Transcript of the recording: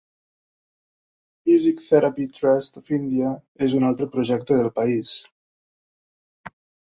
"Music Therapy Trust of India" és un altre projecte del país.